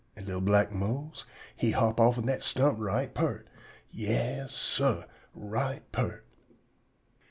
An' li'l black Mose he hop offen dat stump right peart. Yes, sah; right peart.